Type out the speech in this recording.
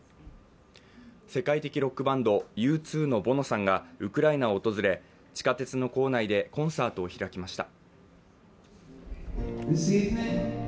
世界的ロックバンド、Ｕ２のボノさんがウクライナを訪れ、地下鉄の構内でコンサートを開きました。